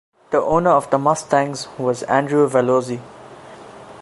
The owner of the Mustangs was Andrew Vallozzi.